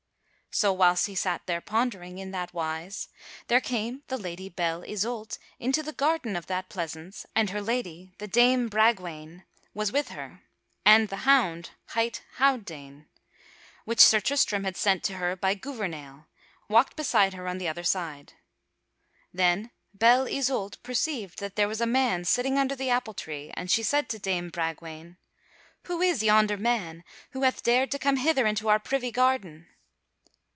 So whilst he sat there pondering in that wise, there came the Lady Belle Isoult into the garden of that pleasance and her lady, the dame Bragwaine, was with her, and the hound, hight Houdaine, which Sir Tristram had sent to her by Gouvernail, walked beside her on the other side. Then Belle Isoult perceived that there was a man sitting under the appletree, and she said to dame Bragwaine: "Who is yonder man who hath dared to come hither into our privy garden?"